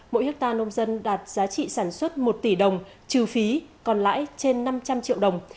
mỗi hectare nông dân đạt giá trị sản xuất một tỷ đồng trừ phí còn lãi trên năm trăm linh triệu đồng